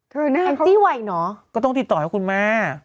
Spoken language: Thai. เธอเน่าเขาติดต่อให้คุณแม่